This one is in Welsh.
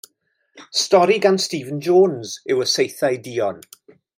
Stori gan Stephen Jones yw Y Saethau Duon.